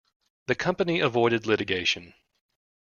The company avoided Litigation.